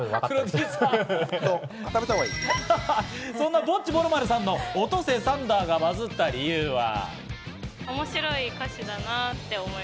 そんな、ぼっちぼろまるさんの『おとせサンダー』がバズった理由は。